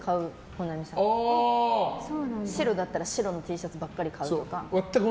白だったら白のＴシャツばっかり買うとか。